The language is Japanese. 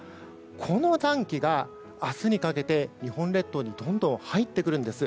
この暖気が明日にかけて、日本列島にどんどん入ってくるんです。